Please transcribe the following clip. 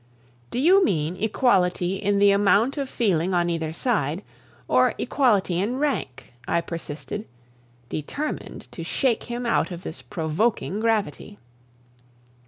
"Do you mean equality in the amount of feeling on either side, or equality in rank?" I persisted, determined to shake him out of this provoking gravity.